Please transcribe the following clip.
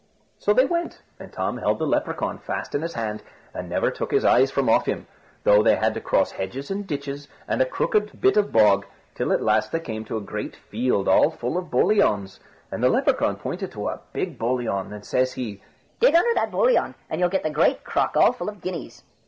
So they went, and Tom held the Lepracaun fast in his hand, and never took his eyes from off him, though they had to cross hedges and ditches, and a crooked bit of bog, till at last they came to a great field all full of boliauns, and the Lepracaun pointed to a big boliaun, and says he, "Dig under that boliaun, and you'll get the great crock all full of guineas."